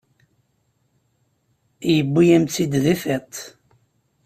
Yewwi-yam-tt-id di tiṭ.